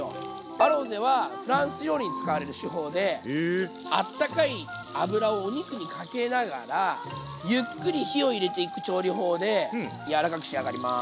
アロゼはフランス料理に使われる手法であったかい油をお肉にかけながらゆっくり火を入れていく調理法で柔らかく仕上がります。